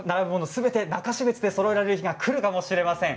すべて中標津でそろえられる日がくるかもしれません。